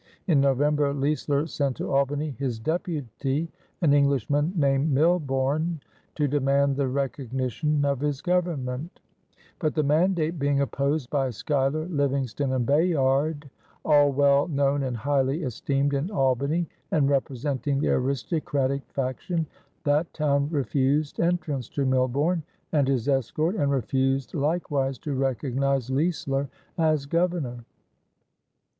In November Leisler sent to Albany his deputy, an Englishman named Milborne, to demand the recognition of his Government; but the mandate being opposed by Schuyler, Livingston, and Bayard, all well known and highly esteemed in Albany and representing the aristocratic faction, that town refused entrance to Milborne and his escort and refused likewise to recognize Leisler as Governor.